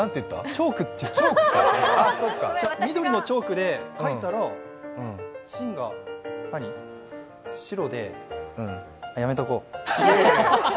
チョーク、緑のチョークで、書いたら芯が白でやめとこう。